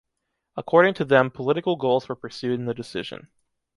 According to them political goals were pursued in the decision.